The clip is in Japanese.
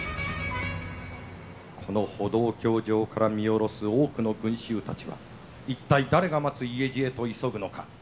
この歩道橋上から見下ろす多くの群衆たちが一体誰が待つ家路へと急ぐのか？